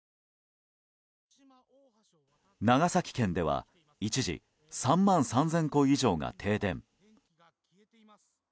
長崎県では一時３万３０００戸以上が停電。